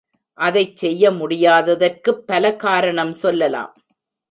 அதைச் செய்ய முடியாததற்குப் பல காரணம் சொல்லலாம்.